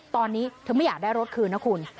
ตอนนี้เธอไม่อยากได้รถคืนนะคุณ